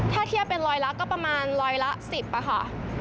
ถ้าเทียบเป็นร้อยละก็ประมาณร้อยละ๑๐ค่ะ